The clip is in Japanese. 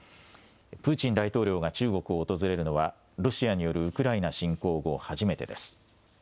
プーチン大統領が中国を訪れるのは、ロシアによるウクライナ侵攻後、初めてです。